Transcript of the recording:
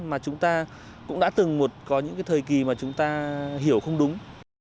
mà chúng ta cũng đã từng có những cái thời kỳ mà chúng ta hiểu không đúng